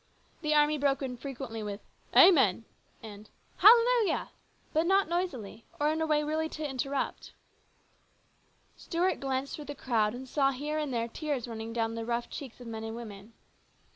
The army broke in frequently with " Amen !" and " Hallelujah !" but not noisily or in a way really to interrupt. Stuart glanced through the crowd, and saw here and there tears running down rough cheeks of men and women.